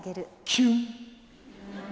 キュン。